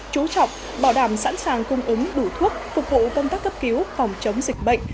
chú trọng bảo đảm sẵn sàng cung ứng đủ thuốc phục vụ công tác cấp cứu phòng chống dịch bệnh